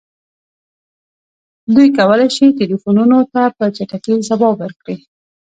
دوی کولی شي ټیلیفونونو ته په چټکۍ ځواب ورکړي